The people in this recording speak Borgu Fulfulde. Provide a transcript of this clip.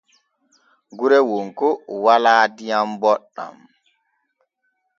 Gure Wonko walaa diyam booɗam.